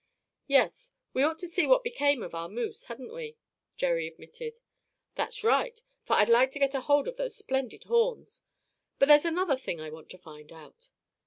"Yes, we ought to see what became of our moose, hadn't we?" Jerry admitted. "That's right, for I'd like to get hold of those splendid horns. But there's another thing I want to find out."